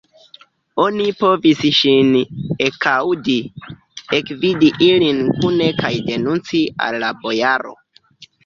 Oni povis ŝin ekaŭdi, ekvidi ilin kune kaj denunci al la bojaro.